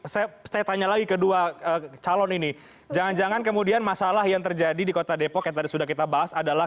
saya seorang insinyur teknik kimia loh